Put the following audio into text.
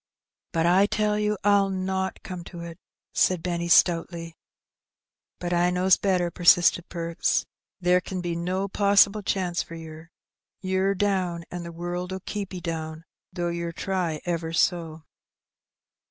" But I tell you I'll not come to it," said Benny, stoutly. "But I knows better," persisted Perks; "there ken be no possible chance for yer. Ye're down, an' the world'll keep 'e down, though yer try ever so."